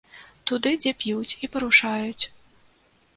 Туды, дзе п'юць і парушаюць.